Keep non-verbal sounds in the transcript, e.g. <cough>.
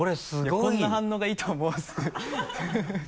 こんな反応がいいとは思わず <laughs>